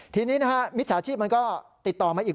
ทีนี้นะฮะมิจฉาชีพมันก็ติดต่อมาอีก